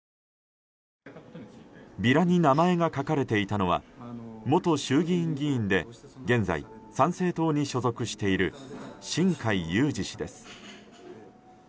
ビラに名前が書かれていたのは元衆議院議員で現在、参政党に所属している新開裕司氏です。